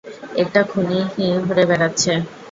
একটা খুনি ঘুরে বেড়াচ্ছে!